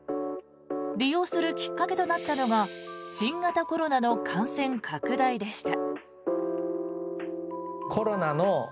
利用するきっかけとなったのが新型コロナの感染拡大でした。